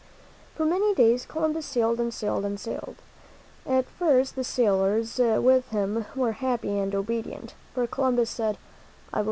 For many days Columbus sailed and sailed and sailed. At first the sailors with him were happy and obedient, for Columbus said, "I will >:^^ "r i~:54